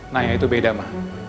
nah ya itu beda mah